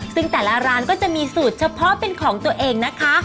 ซึ่งแต่ละร้านก็จะมีสูตรเฉพาะเป็นของตัวเองนะคะ